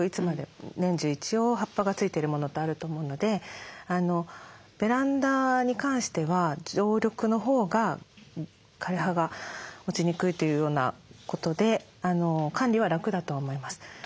年中一応葉っぱがついてるものとあると思うのでベランダに関しては常緑のほうが枯れ葉が落ちにくいというようなことで管理は楽だとは思います。